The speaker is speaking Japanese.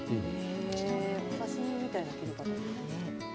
お刺身みたいな切り方。